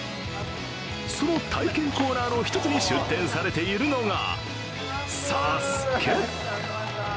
その体験コーナーの１つに出展されているのが「ＳＡＳＵＫＥ」。